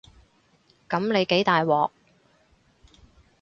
噉你幾大鑊